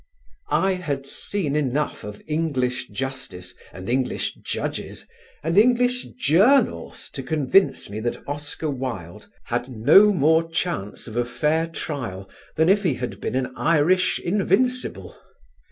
I had seen enough of English justice and English judges and English journals to convince me that Oscar Wilde had no more chance of a fair trial than if he had been an Irish "Invincible."